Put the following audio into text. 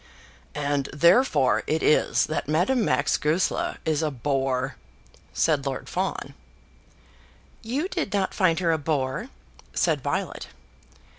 "And therefore it is that Madame Max Goesler is a bore," said Lord Fawn. "You did not find her a bore?" said Violet.